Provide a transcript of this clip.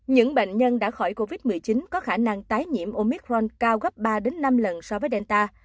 những bệnh nhân đã khỏi covid một mươi chín có khả năng tái nhiễm omicron cao gấp ba năm lần so với delta